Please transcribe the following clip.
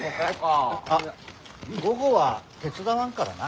あっ午後は手伝わんからな。